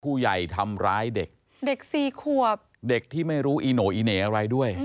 ผู้ใหญ่ทำร้ายเด็กเด็กสี่ขวบเด็กที่ไม่รู้อีโน่อีเหน่อะไรด้วย